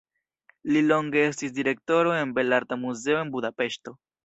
Li longe estis direktoro en Belarta Muzeo en Budapeŝto.